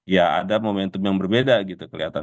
ya ada momentum yang berbeda gitu kelihatan